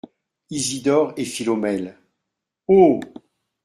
Isidore et Philomèle. — Oh !